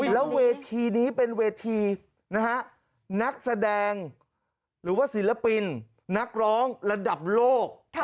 แล้วเวทีนี้เป็นเวทีนะฮะนักแสดงหรือว่าศิลปินนักร้องระดับโลก